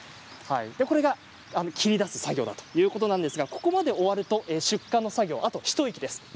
これ切り出す作業ということなんですがここまで終わると出荷の作業まであと一息です。